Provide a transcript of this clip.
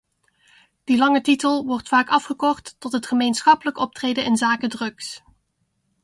Die lange titel wordt vaak afgekort tot het gemeenschappelijk optreden inzake drugs.